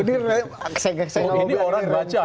ini sebenarnya aksesnya ke bobby orang ini rencana